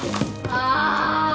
ああ！